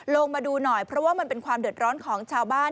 ลงมาดูหน่อยเพราะว่ามันเป็นความเดือดร้อนของชาวบ้าน